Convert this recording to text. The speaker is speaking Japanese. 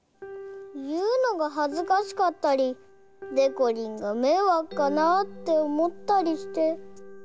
いうのがはずかしかったりでこりんがめいわくかなっておもったりして。